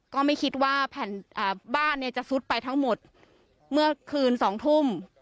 ก็ไม่คิดว่าแผ่นบ้านเนี่ยจะซุดไปทั้งหมดเมื่อคืน๒ทุ่ม